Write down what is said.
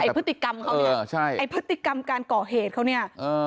พฤติกรรมเขาเนี่ยไอ้พฤติกรรมการก่อเหตุเขาเนี่ย